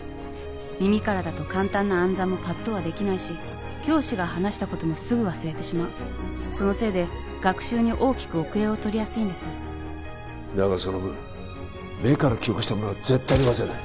耳からだと簡単な暗算もパッとはできないし教師が話したこともすぐ忘れてしまうそのせいで学習に大きく後れを取りやすいんですだがその分目から記憶したものは絶対に忘れない